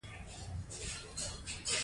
د عمده پلورنې سوداګري د سوداګرۍ یو ډول دی